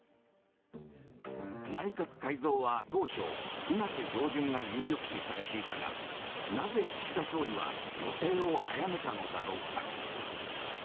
内閣改造は当初、９月上旬が有力視されていたがなぜ、岸田総理は予定を早めたのだろうか。